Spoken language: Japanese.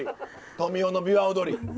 富美男のびわ踊り。